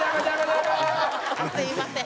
すみません。